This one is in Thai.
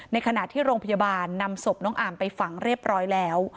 ในขณะที่โรงพยาบาลนำศพน้องอามไปฝังเรียบร้อยแล้ว